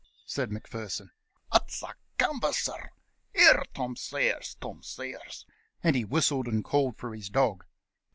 said Macpherson, "it's a canvasser. Here, Tom Sayers, Tom Sayers!" and he whistled and called for his dog.